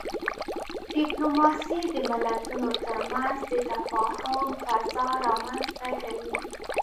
ډيپلوماسي د ملتونو ترمنځ د تفاهم فضا رامنځته کوي.